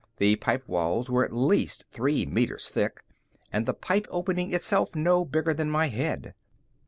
The pipe walls were at least three meters thick and the pipe opening itself no bigger than my head.